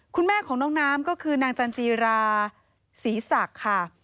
คุณแม่ของน้องน้ำก็คือนางจันจีราศรีศักดิ์ค่ะ